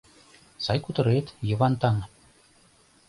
Сай кутырет, Йыван таҥ?